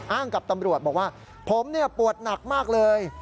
กับตำรวจบอกว่าผมปวดหนักมากเลย